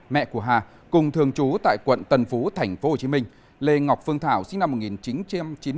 mẹ của hà cùng thường trú tại quận tần phú tp hcm lê ngọc phương thảo sinh năm một nghìn chín trăm chín mươi